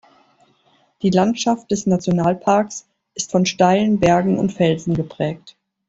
Die Landschaft des Nationalparks ist von steilen Bergen und Felsen geprägt.